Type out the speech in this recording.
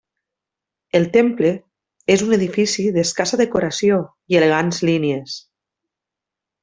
El temple és un edifici d'escassa decoració i elegants línies.